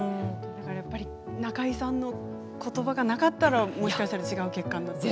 中井さんのことばがなかったらもしかしたら違う結果に。